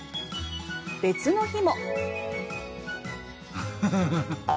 別の日も。